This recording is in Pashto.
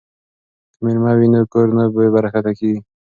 که میلمه وي نو کور نه بې برکته کیږي.